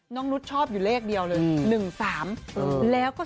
นุษย์ชอบอยู่เลขเดียวเลย๑๓แล้วก็